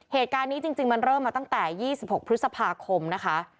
เหตุการณ์นี้จริงมันเริ่มมาตั้งแต่๒๖พฤษภาคมนะคะ